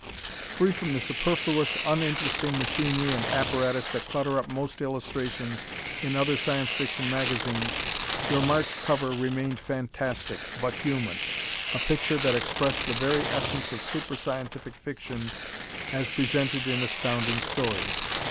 Free from the superfluous, uninteresting machinery and apparatus that clutter up most illustrations in other Science Fiction magazines, your March cover remained fantastic, but human a picture that expressed the very essence of super scientific fiction as presented in Astounding Stories.